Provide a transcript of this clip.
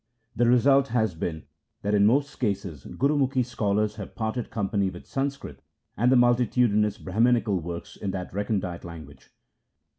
The result has been that in most cases Gurumukhi scholars have parted company with Sanskrit and the multitudinous Brah manical works in that recondite language.